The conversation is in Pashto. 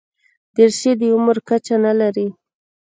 دریشي د عمر کچه نه لري.